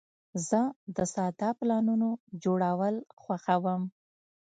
زه د ساده پلانونو جوړول خوښوم.